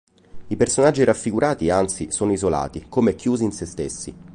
I personaggi raffigurati, anzi, sono isolati, come chiusi in sé stessi.